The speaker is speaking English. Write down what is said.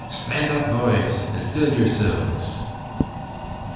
Sthand up, bhoys, and fill yirsilves!"